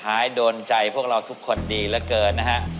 ให้โดนใจพวกเราทุกคนดีเหลือเกินนะฮะ